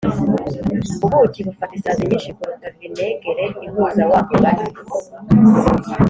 ubuki bufata isazi nyinshi kuruta vinegere ihuza wa mugani